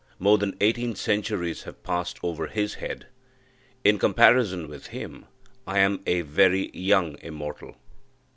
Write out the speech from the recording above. More than eighteen centuries have passed over his head. In comparison with him, I am a very young Immortal.